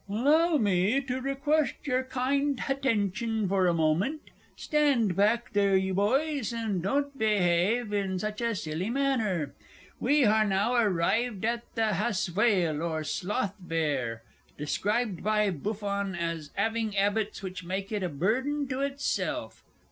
Illow me to request yar kind hattention for a moment. (Stand back there, you boys, and don't beyave in such a silly manner!) We har now arrived at the Haswail, or Sloth Bear, described by Buffon as 'aving 'abits which make it a burden to itself.